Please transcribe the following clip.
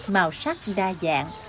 màu sắc đa dạng